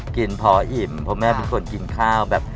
กินพออิ่มเพราะแม่เป็นคนกินข้าวแบบ